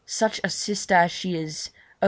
Such a sister as she is! Oh!